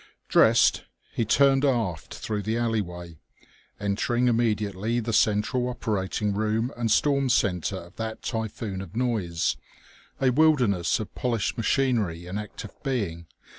Dressed, he turned aft through the alleyway, entering immediately the central operating room and storm center of that typhoon of noise, a wilderness of polished machinery in active being.